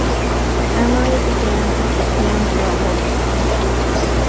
Amory began as a planned railroad town.